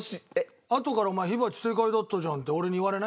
あとからお前「火鉢正解だったじゃん」って俺に言われない？